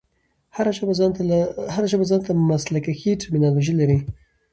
هره ژبه ځان ته مسلکښي ټرمینالوژي لري.